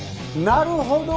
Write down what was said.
なるほど！